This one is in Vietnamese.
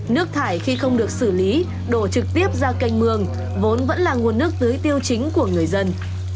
nước thải khi không được xử lý đổ trực tiếp ra canh mương vốn vẫn là nguồn nước tưới tiêu chính của người dân